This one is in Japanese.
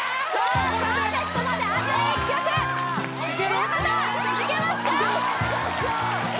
これで親方いけますか？